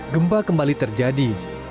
gemba kembali terjadi